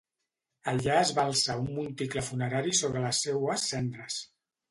Allà es va alçar un monticle funerari sobre les seues cendres.